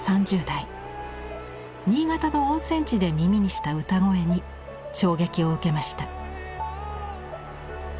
新潟の温泉地で耳にした歌声に衝撃を受けました。